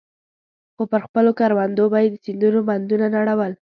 خو پر خپلو کروندو به يې د سيندونو بندونه نړول.